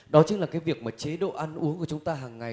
đó chính là cái việc chế độ ăn uống của chúng ta hằng ngày